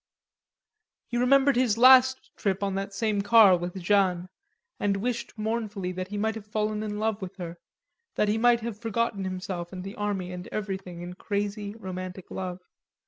He remembered his last trip on that same car with Jeanne, and wished mournfully that he might have fallen in love with her, that he might have forgotten himself and the army and everything in crazy, romantic love.